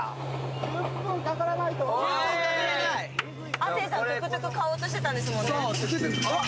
亜生さん、トゥクトゥク買おうとしてたんですもんね。